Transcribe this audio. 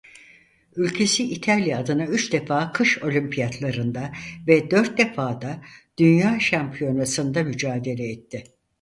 Ülkesi İtalya adına üç defa Kış Olimpiyatları'nda ve dört defada Dünya Şampiyonası'nda mücadele etti.